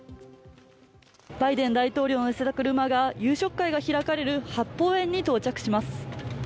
バイデン大統領を乗せた車が夕食会が開かれる八芳園に到着します。